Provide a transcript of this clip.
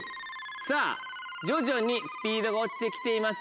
さぁ徐々にスピードが落ちて来ています。